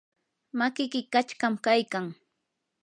makiki qachqam kaykan.